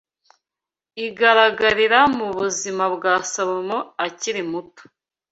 igaragarira mu buzima bwa Salomo akiri muto